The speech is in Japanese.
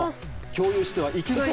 「共有してはいけない」